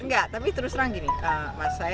enggak tapi terus terang gini mas saya